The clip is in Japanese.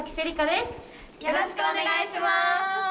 よろしくお願いします。